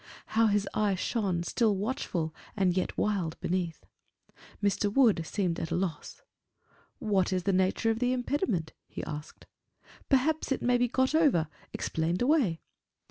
How his eye shone, still, watchful, and yet wild beneath! Mr. Wood seemed at a loss. "What is the nature of the impediment?" he asked. "Perhaps it may be got over explained away?"